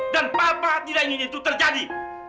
dan bapak tidak ingin itu terjadi